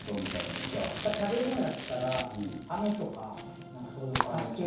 食べ物やったらあめとかそういうお菓子系。